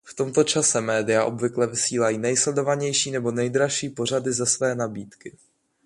V tomto čase média obvykle vysílají nejsledovanější nebo nejdražší pořady ze své nabídky.